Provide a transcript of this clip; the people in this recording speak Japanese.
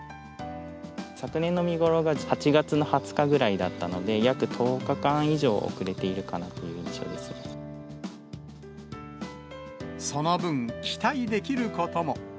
昨年の見頃が８月の２０日ぐらいだったので、約１０日間以上、その分、期待できることも。